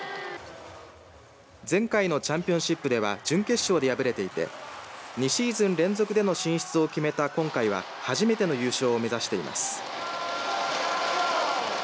前回のチャンピオンシップでは準決勝で敗れていて２シーズン連続での進出を決めた今回は初めての優勝を目指しています。